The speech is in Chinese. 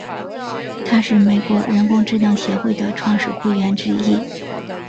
他是美国人工智能协会的创始会员之一。